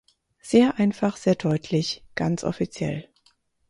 Sehr einfach, sehr deutlich, ganz offiziell.